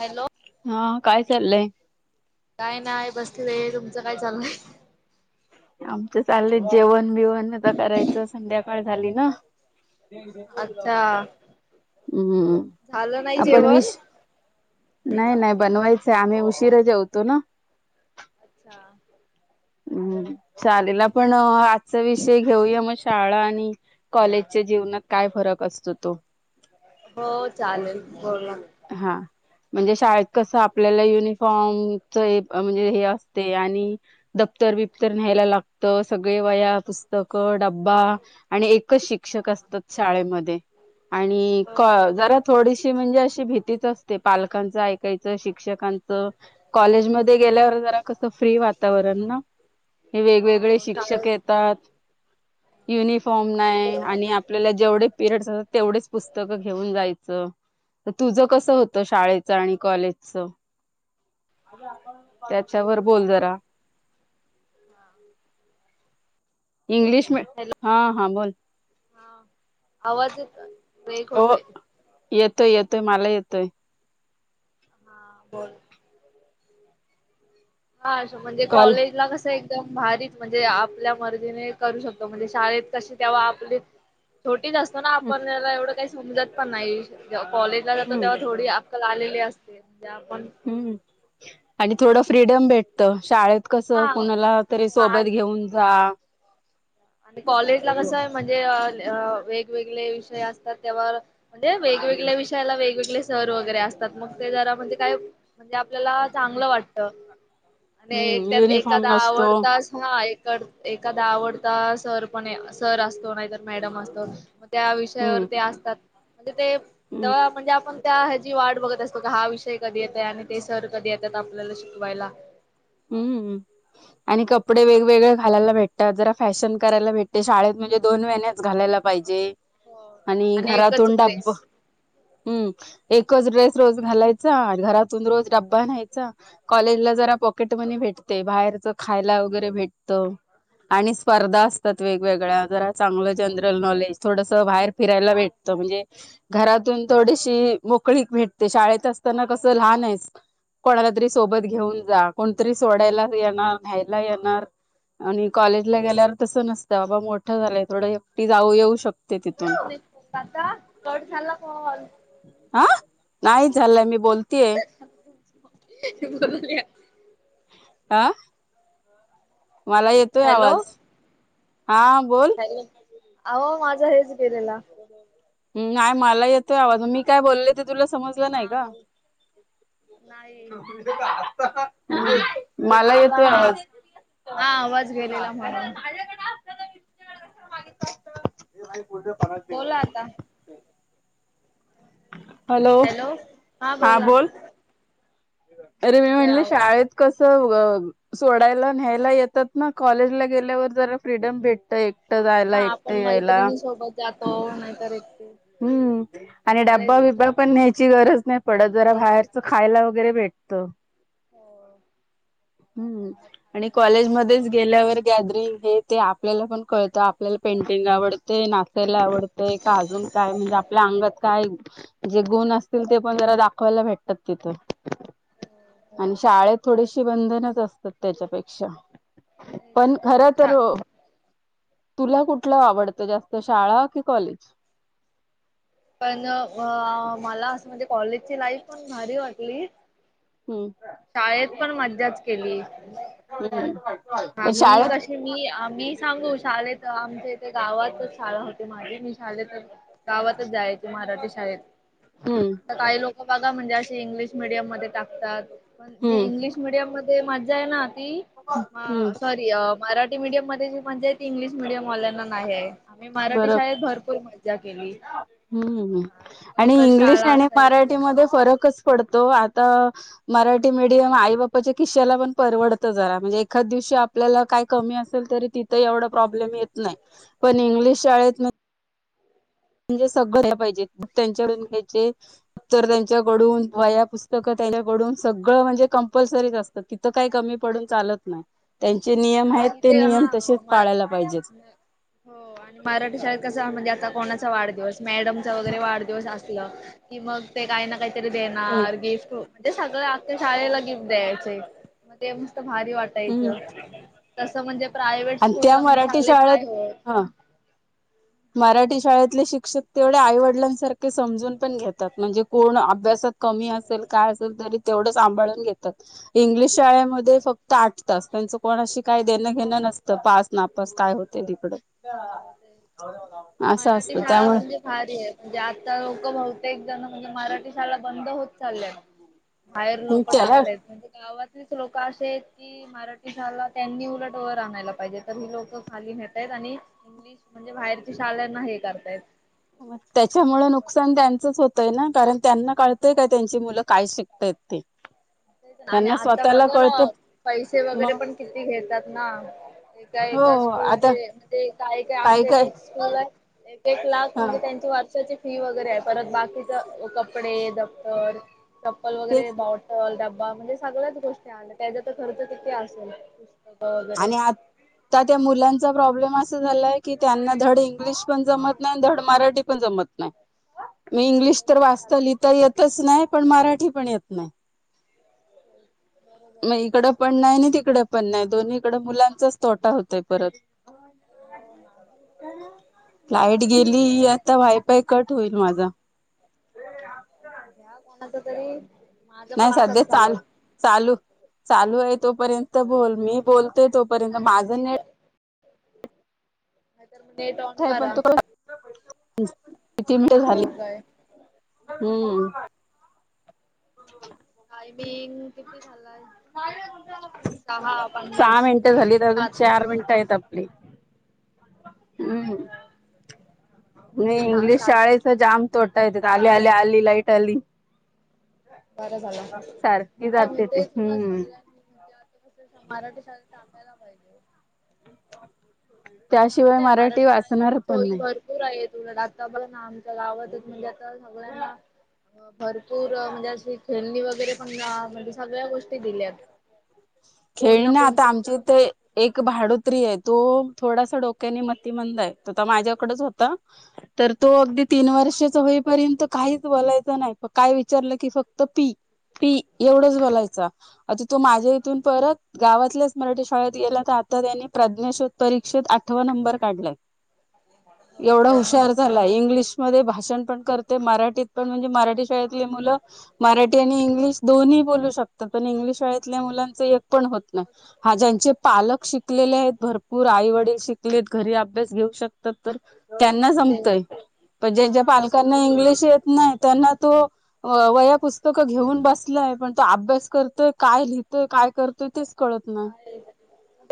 Hello हा काय चाललंय. काय नाही बसलेलं तुमचं काय चाललंय, आमच चालले जेवण बिवणता करायचं संध्याकाळ झाली ना, तेडे पत पा, अच्छा हम्म झालं नाही आपण जेवण? विष नाही नाही बनवायचंय आम्ही, तिरा जाऊतो ना, अच्छा पण आजचा विषय घेऊया मग शाळा आणि कॉलेजच्या जीवनात काय फरक असतो तो. हो चालेल हो हा म्हणजे शाळेत कस आपल्याला युनिफॉर्म म्हणजे हे असते आणि द् बबर न्यायला लागत सगळे वया पुस्तकं ड. ्बा आणि एकच शिक्षक असतात शाळेमध्ये आणि हो क जरा थोडीशी म्हणजे अशी भीतीच असते पालकांचं ऐकायच शिक्षकांच कॉलेज म गेल्यावर जरा कस फ्री वातावरण ना हे वेगवेगळे हो शिक्षक शाळेत येतात युनिफॉर्म नाही आणि आपल्याला जेवढे पिरियड असात तेवढेच पुस्तकं घेऊन जायचं तर तुझं कस होत शाळेच आणि कॉलेजच त्याच्यावर बोल जरा इंग्लिश म हॅलो हा, हा बोल हा आवाज एक ब्रेक हो होतोय येतोय येतोय मला येतोय हा बोल हा म्हणजे कॉल कॉलेज ला कसं एक एकदम भारीच म्हणजे आपल्या मर्जीने करू शकतो म्हणजे शाळेत कसे तेव्हा आपले थोड असतो ना आपण त्याला एवढं काही समजत पण नाही जेव्हा कॉलेजला जातो हम्म तेव्हा थोडी आलेले असते म्हणजे आपण हम्म आणि थोडं फ्रीडम भेटत शाळेत कसं कुणाला तरी हा सोबत घेऊन जा आणि कॉलेज ला कसं आहे म्हणजे वेगवेगळे विषय असतात त्यावर म्हणजे वे वेगवेगळ्या विषयाला वेगवेगळे सर वगैरे असतात मग ते जरा म्हणजे काय म्हणजे आपल्याला चांगलं वाटत आणि हम्म त्या युनिफॉर्म एखादा नसतो आवडतास हा एखादा आवडता सर पण सर असतो नाहीतर मॅडम असतो त्या विषयावर हम्म ते असतात म्हणजे ते हम्म म्हणजे आपण त्या हजी वाट बघत असतो का हा विषय कधी येतय आणि ते सर कधी येतात आपल्याला शिकवायला हम्म आणि कप कपडे वेगवेगळे घालायला भेटतात जरा फॅशन करायला भेटते शाळेत म्हणजे दोन वहि्याच घालायला पाहिजे आणि एकच घरातूनन डब ड्रेस हम्म एकच ड्रेस रोज घालायचा घरातून रोज डब्बा न्यायचा कॉलेजला जरा प पॉकेट मनी भेटते बाहेरच खायला वगैरे भेटत आणि स्पर्धा असतात वेगवेगळ्या जरा चांगलं जनरल नॉलेज थोडस बाहेर फिरायला भेटत म्हणजे घरातून थोडीशी मोकळी भेटते शाळेत असताना कसं लहान आहे कोणाला तरी सोबत घेऊन जा कोणतरी सोडायला येणार न्यायला येणार आणि कॉलेजला गेल्यावर तस नसतं बाबा मोठं झालंय थोडं एकटी जाऊ येऊ शकतो आता कट झाला कॉल हा नाही झाचालंय मी बोलतेय बोल अं? मला येतोय हॅलो आवाज हा बोल अहो माझा हेच गेलेला य मला येतोय आवाज मी काय बोलले? तुला समजलं नाही हा का? बोल नाही. मला बोला येतोय हा आवाज. हा आवाज गेलेला म्हणून [unintelligible] बोला आता हॅलो हा बोल हा अरे मी येतोय म्हणल आवाज. शाळेत कस? सोडायला न्यायला येतात ना? कॉलेजला गेल्यावर जरा फ्रीडम भेटत एक हा आपण मैत्रिणी सोबत जातो नाहीतर एके हम्म आणि डब्बा बिब्बा पण न्यायच ची गरज नाही पडत. जरा गरज बाहेरच खायला वगैरे भेटत. हो हम्म बाहेर आणि खायला कॉलेज मध्येच गेल्यावर गॅदरिंग हे ते आपल्याला पण कळतं. आपल्याला पेंटिंग आवडते. नाचायला आवडते. का अजून काय, म्हणजे आपल्या अंगात काय जे गुण असतील ते पण जरा दाखवायला भेटतात तिथ. आणि शाळे त भेटतंय थोडीशी बंधनच असतात त्याच्यापेक्षा. पण खर आणि शा तर तुला कुठलं आवडतं जास्त? शाळा कि कॉलेज? पण, अ मला असं म्हणजे कॉलेजची लाईफ पण भारी वाटली. हम्म शाळेत पण मज्जाच केली. [unintelligible] हा मी शाळेत कशी मी आ मी सांगू शाळे त आमच्या इथे गावातच शाळा होते माझी मी शाळेत च गावातच जायची मराठी शाळेत. हम्म आता काही लोक बघा म्हणजे इंग्लिश मिडियम मध्ये टाकतात. पण हम्म इंग्लिश मिडियम मध्ये मज्जा आहे ना ती हम्म सॉरी अ मराठी मीडियम मध्ये जे म्हणजे त इंग्लिश मिडियमवाल्या ना नाही हे. मी मराठी शाळेत भरपूर मज्जा केली हूं आणि दिवसभर इंग्लिश शाळा आणि असायची. मराठीमध्ये फरकच पडतो. आता मराठी मिडियम आई बापा च्या खिशाला पण परवडत जरा म्हणजे एखाद दिव शी आपल्या काय कमी असेल तरी तिथ एवढा प्रॉब्लेम येत नाही. पण इंग्लिश शाळेत म्हणजे सगळं घ्यायला पाहिजे, त्यांच्या कडून घ्यायचे उत्तर त्यांच्याकडून वया पुस्तक त्याच्याकडून सगळं म्हणजे कंपल्सरीच असत. तिथ काही कमी पडुन चालत नाही. त्यांचे नियम आणि आहेत, ते इथे हा नियम तसेच पाळायला पाहिजे. हो आणि मराठी शाळेत कस, म्हणजे आता कोणाचा वाढदिवस मॅडमचा वगैरे वाढदिवस असलं कि मग ते काही ना काहीतरी हम्म देणार गिफ्ट म ते सगळ आख्या शाळेला गिफ्ट द्यायचें मग ते मस्त भारी हम्म वाटायचं. तंसं म्हणजे प्रायव्हेट आणि त्या स्कूलला म मराठी शालेत शाळेत नाही. होत हा मराठी शाळेतले शिक्षक, तेवढे आईवडिलांसारखे समजून पण घेतात, म्हणजे कोण अभ्यासात कमी असेल काय असेल तरी तेवढे सांभाळून घेतात. इंग्लिश शाळे मधे फक्त आठ तास. त्यांच कोणाशी काय घेणं देणं नसत पासं नापस काय होते तिकड हो ते मराठी शाळा म्हणजे भारी आहे, म्हणजे आता लोक बहुते क म्हणजे मराठी शाळा बंद होत चालल्यात, बाहेर लोक त्याला टाकतायत म्हणजे गावात लोक असे आहेत की, मराठी शाला त्यांनी उलट वर आणायला पाहिजेत. तर ही लोकं खाली नेतायत, आणि इंग्लिश म्हणजे बाहेरच्या शाळना हे करतायत. मग त्याच्यामुळे नुकसान त्यांचच होत ते ना कारण त्यांना कळतय का त्यांची मुलं काय शिकतय ते? आणि त्यांना आता स्वतःला बघा ना, कळत पैसे वगैरे मग पण किती घेतात ना एका एका हो आता स्कूलचे म्हणजे काय काय आमच्या इथ एक स्कूल आहे एक लाख हा म्हणजे त्यांची वर्षाची फी वगैरे आहे परत बाकीच कपडे दप्तर चप्पल, वगैरे तेच बॉटल, डब्बा म्हणजे सगळ्याच गोष्टी आणल्या त्याचा तर खर्च कीतिे असेल. पुस्तक वगैरे आणि आता त्या मुलांचा प्रॉब्लेम अस असं झालंय की त्यांना धड इंग्लिश पण जमत नाही, धड मराठी पण जमत नाही. मी हा इंग्लिश तर तसच वाचता झालंय लिहिता येतच नाही, पण मराठी पण येत नाही बरोबर म आहे. इकडं पण नाही, आणि तिकड पण नाही, दोन्ही इकड मुलां लाच तोटा होतो य परत लाईट गेली, आता वायपाय कट होईल माझा घ्या कोणाच तरी पण नाही सध्या असंच चालू, झालंय. चालू, चालू आहे तोपर्यंत बोल, मी बोल ते तोपर्यंत माझं नेट नाहीतर मग नेट ऑन पण करा तुला किती मिळ झाली हो काय. हम्म [unintelligible] [inaudible] [inaudible] मी किती झालाय सहा पन्नास सहा मिनिटं झाली अजून सात चार मिनटं आहेत आपली हम्म हो म सहा इंग्लिश सात शाळेच जाम तोडट येतेत आले आले आली लाईट आली बर झाला सारखी नाही मग जाते ते तेच ना हम्म सगळ्यांनी म्हण आता कस सांग मराठी शाळेत टाकायला पाहिजे त्याशिवाय चांलय मराठी वाचणार शाळेतून पण सोयी नाही भरपूर आहे त आता बला ना आमच्या गवतच म्हणजे आता सगळ्यांना भरपूर म्हणजे अशी खेळणी वगैरे पण जा म्हणजे सगळ्या गोष्टी दिल्यात कोण खेळणी ना आता कोणतरी आमची इथ चांगलं काहीतरी एक देतय भाडोत्री आहे तो थोडासा डोक्यानी मतीमंद आहे त माझ्याकडेच होता तर तो अगदी तीन वर्षाचा होईपर्यंत काहीच बोलायच नाही प काय विचारलं की फक्त पी पी एवढच बोलायचा आता तो माझे ततून परत गावातल्याच मराठी शाळेत गेल्या तर आता त्यांनी प्रज्ञाशोध परीक्षेत आठवा नंबर काढलाय एवढा हुशार मस्त झाला इंग्लिशमध्ये भाष शण पण करते मराठीत पण म्हणजे मराठी शाळेत मराठी आणि इंग्लिश दोनही बोलु शकतात पण इंग्लिश शळेतली मुल ण होत नाही हा ज्यांचे पालक शिकलेले आहेत भरपूर आई वडील शिकलेत घरी अभ्यास घेऊ शकतात तर त्यांना ते जमतय पण ज्या ज्या हा पालकांना इंग्लिश येत नाही त्यांना तो वया पुस्तकं घेऊन बसलंय पण तो अभ्यास करतोय काय लिह तर काय करतोय तेच कळत नाही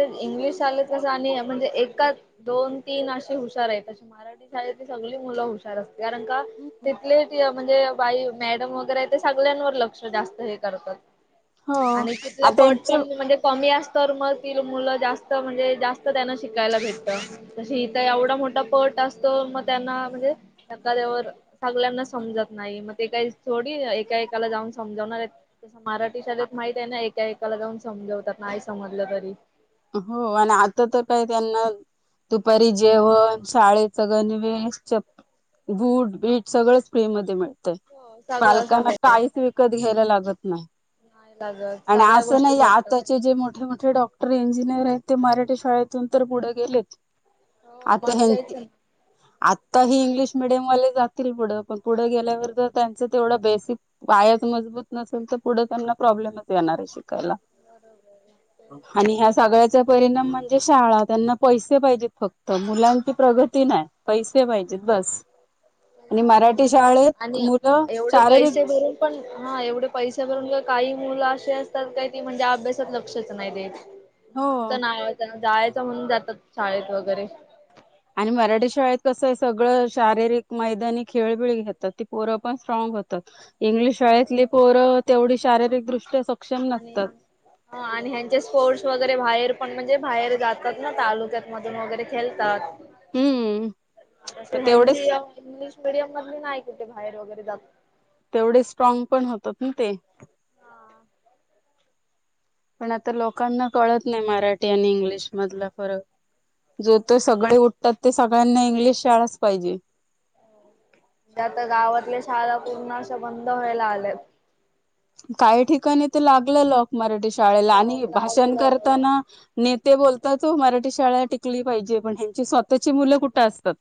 इंग्लिश शालेस आणि म्हणजे एका दोन तीन असे हुशार आहे तसे मराठी शाळेत सग मुलं हुशार असते कारण का तिथली म्हणजे बाई मॅडम वगैरे आहे ते सगळ्यांवर लक्ष जास्त हे करतात हो आणि तिथला पट पण त्यांचे म्हणजे कमी असत तर मग त मुलं जास्त म्हणजे जास्त त्यांना शिकायला भेटत ज हित एवढा मोठा पट असतो मग त्यांना म्हणजे एखाद्या सगल्यांना समजत नाही ते काही थोडी एका एकाला जाऊन समजावणार आहेत तस मराठी शाळेत माहित आहे ना एकाला जाऊन समजवतात नाही समजलं तरी हो आणि आता तर काय त्यांना दुपारी जेवण शाळेच गणवेश चप बूट बीट सगळेच फ्री म मिळत हो सगळं सगळं पालकांनाता आईस विकत घ्यायला लागत नाही नाही लागत आणि सगळ्या असं गोष्टी नाही भेटतात. आताचे जे मोठे मोठे डॉक्टर इंजिनियर आहेत ते मराठी शाळेतून तर पुढे गेले हो आत्या मग नाय तेच ना ह इंग्लिश मिडियमवाले जातील पुढं पण पुढे गेल्यावर तर त्यांचं तेवढं बेसिक पायाच म होत नसेल तर पुढं त्यांना प्रॉब्लेमच येणार आहे शिकायला बरोबर आणि ह्या सगळ्याचा परिणाम म्हणजे शाळा त्यांना पैसे पाहिजेत फक्त मुलांची प्रगती नाही पैसे पाहिजेत बस आणि मराठी शाळेत आणि मुलं एवढे पैसे शारीरिक भरून पण हा एवढे पैसे भरून का काही मुलं अशी असतात. काय ती म्हणजे अभ्यासात लक्षच नाही ते हो मग तर ना जायचं म्हणून जातात शाळेत वगैरे आणि मराठी शाळेत कसं आहे सगळं शारीरिक मैदानी खेळबिळी घेतात ती पोरं पण स्ट्रॉंग इंग्लिश शाळेतली पोरं तेवढी शारिरीकदृष्ट्या आणि आणि ह्यांचे स्पोर्ट्स वगैरे बाहेर पण म्हणजे बाहेर जातात ना तालुक्यात मधून वगैरे खेळतात. हम्म मग त्यांची तेवढेच इंग्लिश स्टेडियम मध नाही कुठे बाहेर वगैरे जात तेवढे स्ट्रॉंग पण होतात. ना ते म्हणजे पण आता लोकांना कळत नाही मराठी आणि इंग्लिश मधला फरक. जो तो सगळे उठतात ते सगळ्यांना इंग्लिश शाळाच पाहिजे. आता गावातल्या शाळा पूर्ण असं बंद व्हायला आल्यात. काही ठिकाणी ते लागलं लोक मराठी शाळेला हो आणि भाषण लागलं करताना न ते बोलतात मराठी शाळा टिकली पाहिजे पण ह्यांची स्वतःची मुलं कुठे असतात.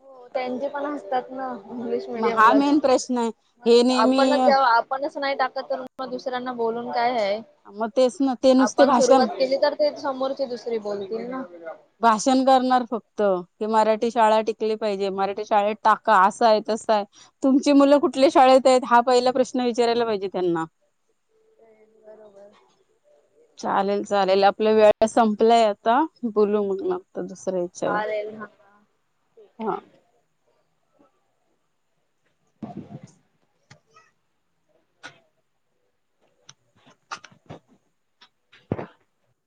हो त्यांचे पण असतात ना. इंग्लिश मग हा मिडियमलाच मेन प्रश्न आहे हे नेहमी आपणच जेव्हा आपणच नाही टाकत तर दुसऱ्यांना बोलून काय आहे मग तेच ना ते नुसते आपण भाषण सुरुवात केली तर ते समोरची दुसरी बोलतील ना. भाषण करणार फक्त की मराठी शाळा टीक टिकली पाहिजे मराठी शाळेत टाका असा आहे तस आहे तुमची मुलं कुठल्या शाळेत आहेत हा पहिला प्रश्न विचारायला पाहिजे त्यांना. बरोबर चालेल चालेल आपल्या वेळा संप आपलाय आता बोलू म्हग मॅम तर दुसऱ्या याच्यावर चालेल हा ठीक आहे. हां. [inaudible]